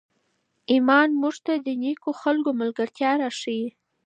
ایمان موږ ته د نېکو خلکو ملګرتیا راښیي.